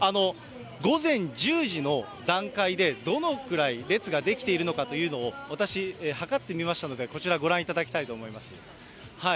午前１０時の段階で、どのくらい列が出来ているのかというのを私、計ってみましたので、こちらご覧いただきたいと思います。